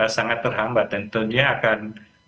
sangat terhambat dan tentunya akan